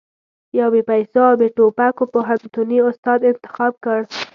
يو بې پيسو او بې ټوپکو پوهنتوني استاد انتخاب کړ.